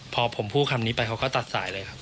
พอผมพูดคำนี้ไปเขาก็ตัดสายเลยครับ